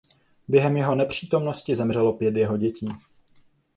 Během jeho nepřítomnosti zemřelo pět jeho dětí.